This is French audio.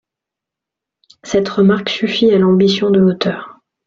Cette remarque suffit à l’ambition de l’auteur.